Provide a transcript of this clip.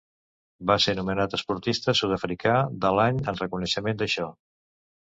Va ser nomenat esportista sud-africà de l'any en reconeixement d'això.